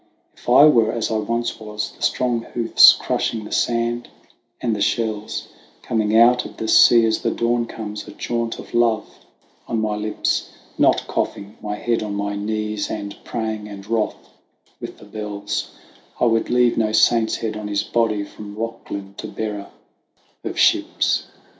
If I were as I once was, the strong hoofs crush ing the sand and the shells Coming out of the sea as the dawn comes, a chaunt of love on my lips, THE WANDERINGS OF OISIN 141 Not coughing, my head on my knees, and praying, and wroth with the bells, I would leave no saint's head on his body from Rachlin to Bera of ships.